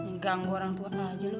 nggak ganggu orang tua aja lo